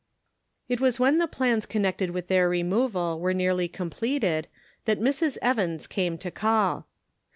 It was when the plans connected with their removal were nearly completed that Mrs. Evans came to call.